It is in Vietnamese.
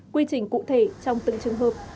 quy trình cụ thể trong từng trường hợp